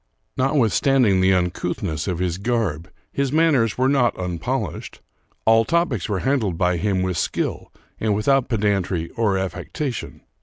Notwith standing the uncouthness of his garb, his manners were not unpolished. All topics were handled by him with skill, and without pedantry or affectation.